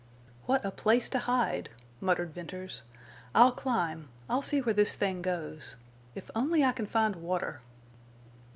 "What a place to hide!" muttered Venters. "I'll climb—I'll see where this thing goes. If only I can find water!"